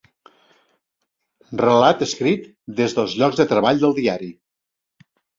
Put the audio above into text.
Relat escrit des dels llocs de treball del diari.